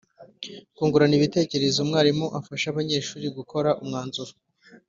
kungurana ibitekerezo umwarimu afasha abanyeshuri gukora umwanzuro